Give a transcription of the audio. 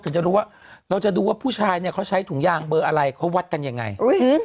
จะรู้ว่าเราจะดูว่าผู้ชายเนี่ยเขาใช้ถุงยางเบอร์อะไรเขาวัดกันยังไง